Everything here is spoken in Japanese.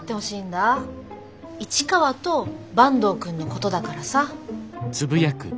市川と坂東くんのことだからさ。